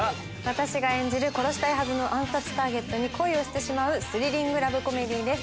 私が演じる殺したいはずの暗殺ターゲットに恋をしてしまうスリリングラブコメディーです。